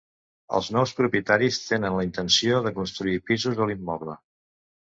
Els nous propietaris tenen la intenció de construir pisos a l'immoble.